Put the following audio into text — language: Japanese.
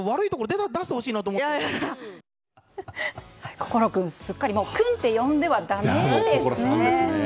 心君、すっかり君と呼んではだめですね。